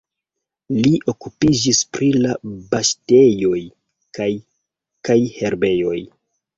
Li okupiĝis pri la paŝtejoj kaj kaj herbejoj.